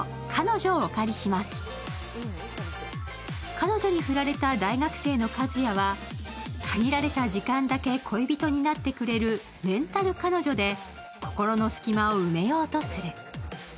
彼女に振られた大学生の和也は限られた時間だけ恋人になってくれるレンタル彼女で心の隙間を埋めようとする。